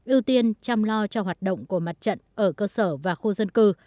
ưu tiên chăm lo cho hoạt động của mặt trận ở cơ sở và khu dân cư